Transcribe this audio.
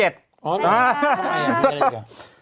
อ๋อทำไม